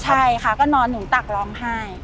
ใช่ค่ะก็นอนหนุนตักร้องไห้